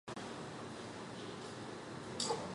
儿子李桃杖承袭了清渊县侯。